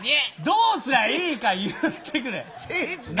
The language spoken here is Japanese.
どうすりゃいいか言ってくれ。